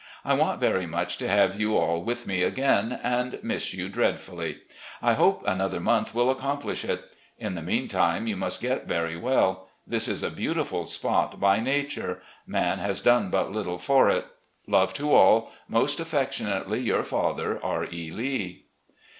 ... I want very much to have you all with me again, and miss you dreadfully. I hope another month will accomplish it. In the meantime, you must get very well. This is a beautiful spot by nature — ^man has done but little for it. Love to all. Most affectionately, "Your father, "R. E. Lee."